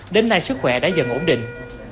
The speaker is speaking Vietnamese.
đến nay sức khỏe đã dần ổn định